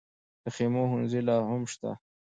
د خیمو ښوونځي لا هم شته؟